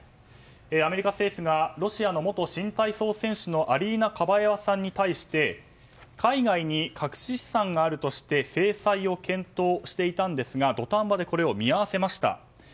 アメリカ政府がロシアの元新体操選手のアリーナ・カバエワさんに対して海外に隠し資産があるとして制裁を検討していたんですが土壇場でこれを見合わせました。